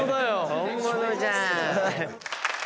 「本物じゃーん」